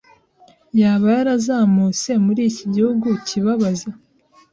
Yaba yarazamutse muri iki gihugu kibabaza